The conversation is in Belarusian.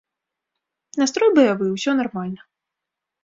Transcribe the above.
Настрой баявы, усё нармальна.